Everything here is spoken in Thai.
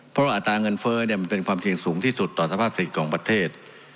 เพราะว่าอัตราเงินเฟ้อมันเป็นความเสี่ยงสูงที่สุดต่อสภาพสิทธิ์ของประเทศ